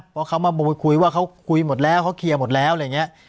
เพราะเขามาคุยว่าเขาคุยหมดแล้วเขาเคลียร์หมดแล้วอะไรอย่างนี้